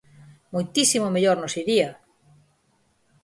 ¡Moitísimo mellor nos iría!